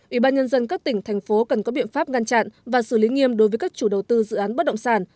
ủy ban nhân dân các tỉnh thành phố cần có biện pháp ngăn chặn và xử lý nghiêm đối với các chủ đầu tư dự án bất động sản